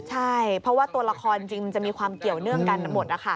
ใช่เพราะว่าตัวละครจริงมันจะมีความเกี่ยวเนื่องกันหมดนะคะ